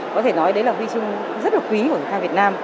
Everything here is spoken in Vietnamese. có thể nói đấy là huy chương rất là quý của thể thao việt nam